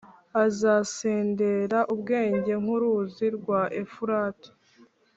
azasendera ubwenge nk’uruzi rwa Efurati,